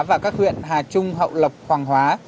và các huyện hà trung hậu lộc hoàng hóa